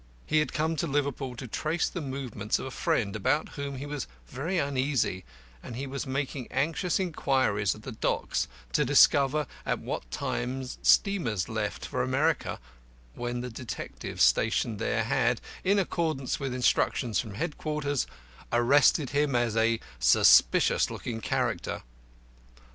He had come to Liverpool to trace the movements of a friend about whom he was very uneasy, and he was making anxious inquiries at the docks to discover at what times steamers left for America, when the detectives stationed there had, in accordance with instructions from headquarters, arrested him as a suspicious looking character.